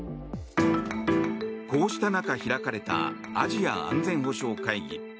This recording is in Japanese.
こうした中、開かれたアジア安全保障会議。